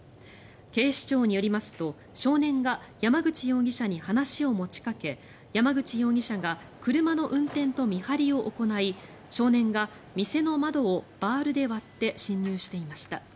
警視庁によりますと少年が山口容疑者に話を持ちかけ山口容疑者が車の運転と見張りを行い少年が店の窓をバールで割って侵入していました。